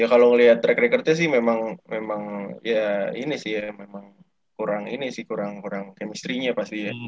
ya kalau ngeliat track recordnya sih memang ya ini sih ya memang kurang ini sih kurang kurang chemistry nya pasti ya